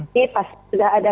ini pasti sudah ada